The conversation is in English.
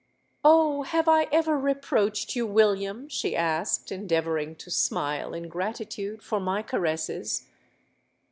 '—'Oh! have I ever reproached you, William?' she asked, endeavouring to smile in gratitude for my caresses.